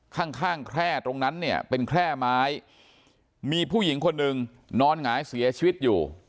ข้างข้างแคร่ตรงนั้นเนี่ยเป็นแคร่ไม้มีผู้หญิงคนหนึ่งนอนหงายเสียชีวิตอยู่